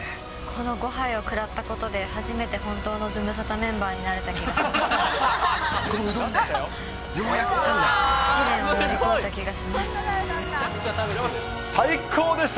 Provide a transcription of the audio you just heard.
この５杯を喰らったことで、初めて本当のズムサタメンバーになれた気がします。